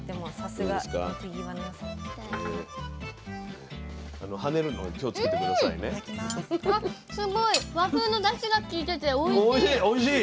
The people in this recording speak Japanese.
すごい和風のだしが利いてておいしい。